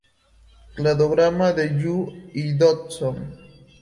Cladograma de You y Dodson.